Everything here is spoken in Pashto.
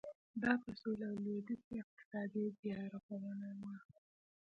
دا په سوېل او لوېدیځ کې اقتصادي بیارغونه وه.